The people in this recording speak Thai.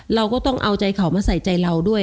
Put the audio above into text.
เราก็ต้องเอาใจเขามาใส่ใจเราด้วย